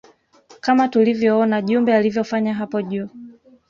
Kama tulivyoona jumbe alivyofanya hapo juu